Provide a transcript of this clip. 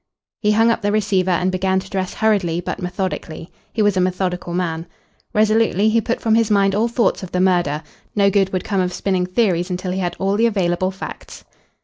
He hung up the receiver and began to dress hurriedly, but methodically. He was a methodical man. Resolutely he put from his mind all thoughts of the murder. No good would come of spinning theories until he had all the available facts.